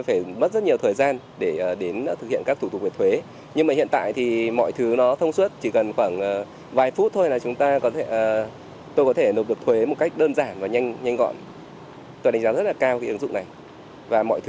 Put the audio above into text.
và mọi thứ hiện tại thì nó đã rất là thông suốt rồi